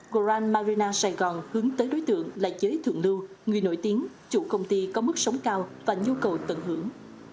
grand marina sài gòn hướng tới đối tượng là giới thượng lưu người nổi tiếng chủ công ty có mức sống cao và nhu cầu tận hưởng